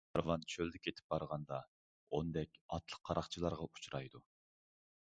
كارۋان چۆلدە كېتىپ بارغاندا، ئوندەك ئاتلىق قاراقچىلارغا ئۇچرايدۇ.